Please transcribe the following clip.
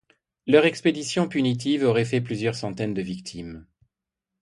Leurs expéditions punitives auraient fait plusieurs centaines de victimes.